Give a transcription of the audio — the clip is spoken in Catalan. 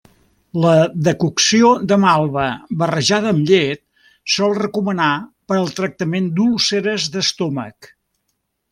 La decocció de malva barrejada amb llet, sol recomanar per al tractament d'úlceres d'estómac.